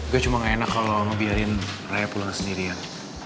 gue cuma gak enak kalau ngebiarin raya pulang sendirian